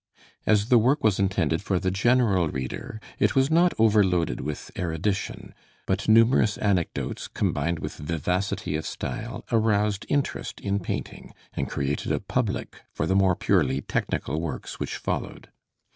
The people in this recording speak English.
As the work was intended for the general reader, it was not overloaded with erudition: but numerous anecdotes, combined with vivacity of style, aroused interest in painting and created a public for the more purely technical works which followed.